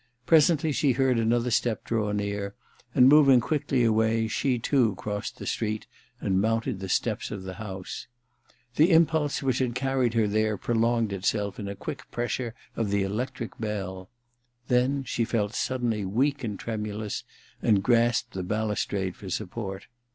Presently she heard another step draw near, and moving quickly away, she too crossed the street and mounted the steps of the house. The impulse which had carried her there prolonged itself in a quick pressure of the electric bell — 226 THE RECKONING in then she felt suddenly weak and tremulous, and grasped the balustrade for support.